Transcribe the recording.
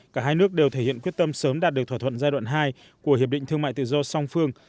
cả hai nước đều thể hiện quyết tâm sớm đạt được thỏa thuận giai đoạn hai của hiệp định thương mại tự do song phương